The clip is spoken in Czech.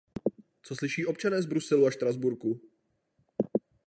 Co slyší občané z Bruselu a Štrasburku?